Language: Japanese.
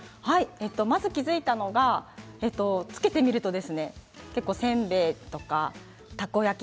まず気が付いたのがつけてみると結構おせんべいとかたこ焼き